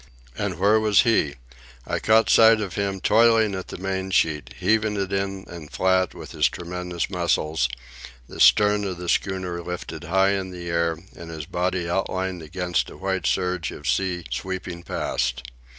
And where was he? I caught sight of him toiling at the main sheet, heaving it in and flat with his tremendous muscles, the stern of the schooner lifted high in the air and his body outlined against a white surge of sea sweeping past.